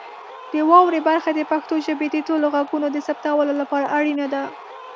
د واورئ برخه د پښتو ژبې د ټولو غږونو د ثبتولو لپاره اړینه ده.